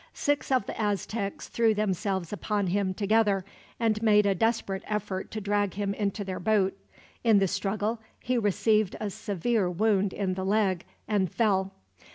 Six of the Aztecs threw themselves upon him together, and made a desperate effort to drag him into their boat. In the struggle he received a severe wound in the leg, and fell.